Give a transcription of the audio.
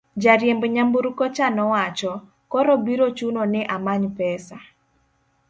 jariemb nyamburko cha nowacho, koro biro chuno ni amany pesa